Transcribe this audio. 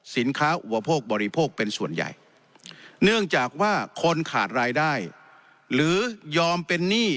อุปโภคบริโภคเป็นส่วนใหญ่เนื่องจากว่าคนขาดรายได้หรือยอมเป็นหนี้